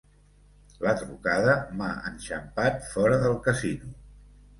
La trucada m'ha enxampat fora del casino.